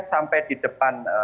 sampai di depan